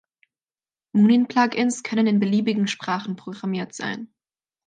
Munin-Plugins können in beliebigen Sprachen programmiert sein.